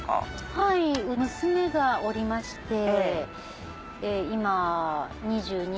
はい娘がおりまして今２２歳。